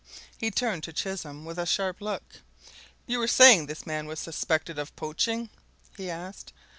He turned to Chisholm with a sharp look. "You were saying this man was suspected of poaching?" he asked.